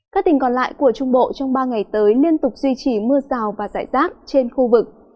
các tỉnh còn lại của trung bộ trong ba ngày tới liên tục duy trì mưa rào và rải rác trên khu vực